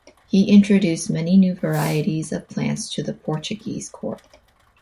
He introduced many new varieties of plants to the Portuguese Court.